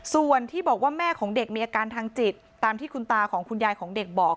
ส่วนที่บอกว่าแม่ของเด็กมีอาการทางจิตตามที่คุณตาของคุณยายของเด็กบอก